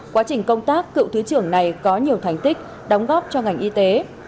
quá trình công tác cựu thứ trưởng này có nhiều thành tích đóng góp cho ngành y tế